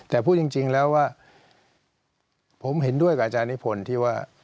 แต่พูดจริงแล้วว่าผมเห็นด้วยกับอาจารย์นิพนธ์ที่ว่า